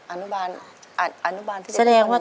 อันนุบาลอันนุบาลที่ได้ป้อนน้ำ